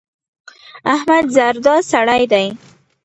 احمد زردا سړی دی.